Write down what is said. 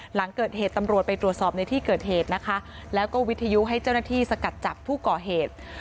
หลังเกิดเหตุตำรวจไปตรวจสอบในที่เกิดเหตุนะคะแล้วก็วิทยุให้เจ้าหน้าที่สกัดจับผู้ก่อเหตุ